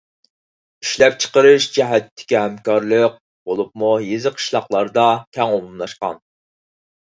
ئىشلەپچىقىرىش جەھەتتىكى ھەمكارلىق، بولۇپمۇ يېزا-قىشلاقلاردا كەڭ ئومۇملاشقان.